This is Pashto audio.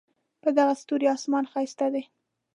په دغه ستوري آسمان ښایسته دی